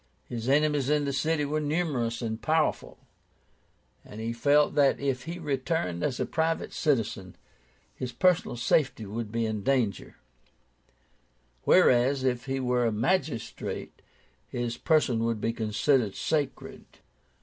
His enemies in the city were numerous and powerful, and he felt that, if he returned as a private citizen, his personal safety would be in danger; whereas, if he were a magistrate, his person would be considered sacred.